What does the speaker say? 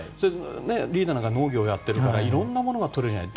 リーダーなんか農業やってるからいろんなものがとれるじゃない。